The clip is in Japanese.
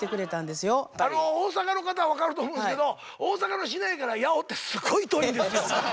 大阪の方分かると思うんですけど大阪の市内から八尾ってすごい遠いんですよ。